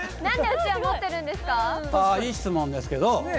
ああいい質問ですけど